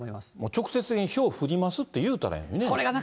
直接的にひょう降りますって言うたらええのにね。